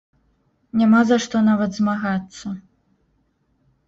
Няма за што нават змагацца.